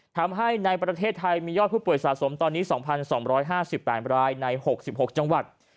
ทำให้ในประเทศไทยมียอดผู้ป่วยสะสมตอนนี้๒๒๕๘รายใน๖๖จังหวัด